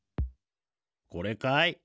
これかい？